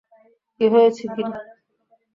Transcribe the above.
কী হয়েছে, গিরি?